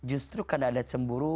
justru karena ada cemburu